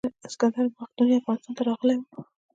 اسکندر مقدوني افغانستان ته راغلی و